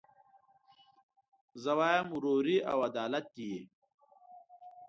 زه وايم وروغي او عدالت دي وي